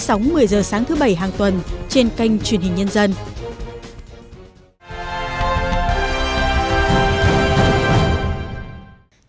sóng một mươi giờ sáng thứ bảy hàng tuần trên kênh truyền thông của chúng tôi hãy đăng ký kênh để nhận thông tin